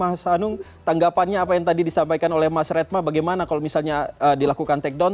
mas anung tanggapannya apa yang tadi disampaikan oleh mas redma bagaimana kalau misalnya dilakukan take down